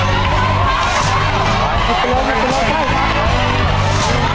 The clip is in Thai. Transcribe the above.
เร็วเร็วเดี๋ยวเข้าไปครุ่มนึงเร็ว